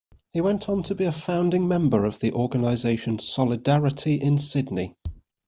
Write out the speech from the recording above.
He went on to be a founding member of the organisation Solidarity in Sydney.